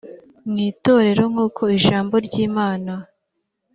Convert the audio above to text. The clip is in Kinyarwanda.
mw itorero nkuko ijambo ry imana